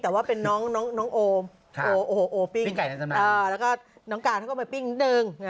แต่ว่าเป็นน้องโอมโอปิ้งไก่แล้วก็น้องการเขาก็มาปิ้งนิดนึง